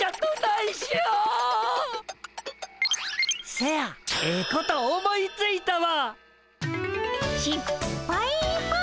せやええこと思いついたわ！